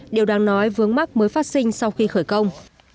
điều đáng nói vướng mắc mới phát sinh sau khi khởi công